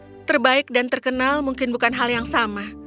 yang terbaik dan terkenal mungkin bukan hal yang sama